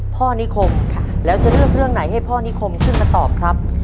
นิคมแล้วจะเลือกเรื่องไหนให้พ่อนิคมขึ้นมาตอบครับ